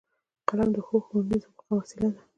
قلم د ښو ښوونیزو موخو وسیله ده